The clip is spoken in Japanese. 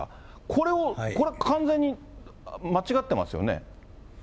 これを、これ完全に間違ってますよね。